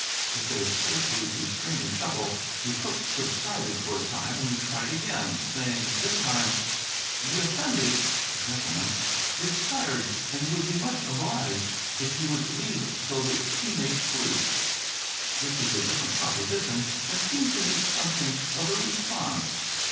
With a scarcely restrained chuckle, the cook subsided for a time and then tried again, saying this time, "The Effendi (gentleman) is tired and would be much obliged if you would leave so that he may sleep." This was a different proposition and seemed to meet something of a response.